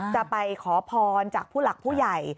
จะไปขอพรจากผู้หลักผู้ใหญ่